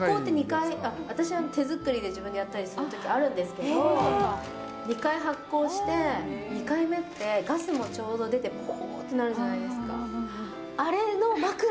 私手作りでやったりするときあるんですけど２回発酵して、２回目ってガスもちょうど出てごーってなるじゃないですか。